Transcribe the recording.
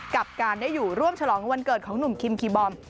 กับการได้อยู่ร่วมฉลองวันเกิดของหนุ่มคิมคีย์บอม